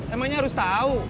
emangnya harus tau